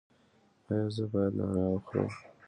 ایا زه باید نعناع وخورم؟